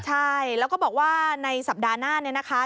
ใช่แล้วก็บอกว่าในสัปดาห์หน้า